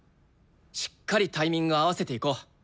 しっかりタイミング合わせていこう。